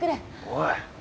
おい。